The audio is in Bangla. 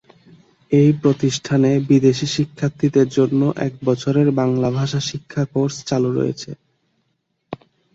এই প্রতিষ্ঠানে বিদেশি শিক্ষার্থীদের জন্য এক বছরের বাংলা ভাষা শিক্ষা কোর্স চালু রয়েছে।